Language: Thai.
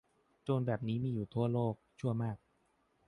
โจรแบบนี้มีอยู่ทั่วโลก ชั่วมาก